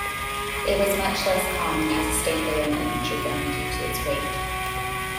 It was much less common as a stand-alone infantry gun due to its weight.